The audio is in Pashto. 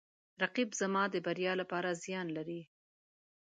رقیب زما د بریا لپاره زیان لري